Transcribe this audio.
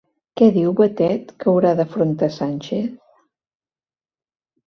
Què diu Batet que haurà d'afrontar Sánchez?